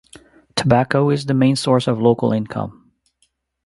Tobacco is the main source of local income.